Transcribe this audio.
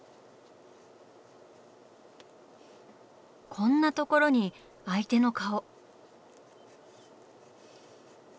こんなところに相手の顔。